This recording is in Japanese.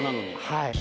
はい。